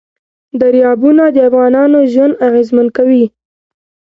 دریابونه د افغانانو ژوند اغېزمن کوي.